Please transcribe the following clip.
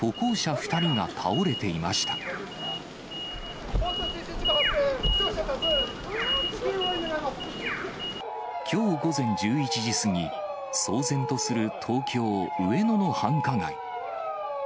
負傷者多数、きょう午前１１時過ぎ、騒然とする東京・上野の繁華街。